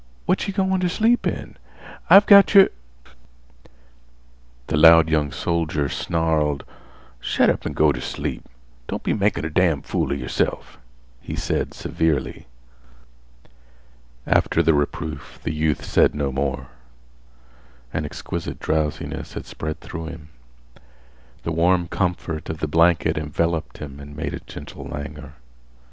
"What yeh goin' t' sleep in? I've got your—" The loud young soldier snarled: "Shet up an' go on t' sleep. Don't be makin' a damn' fool 'a yerself," he said severely. After the reproof the youth said no more. An exquisite drowsiness had spread through him. The warm comfort of the blanket enveloped him and made a gentle langour.